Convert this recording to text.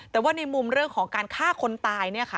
แต่ว่าในมุมเรื่องของการฆ่าคนตาย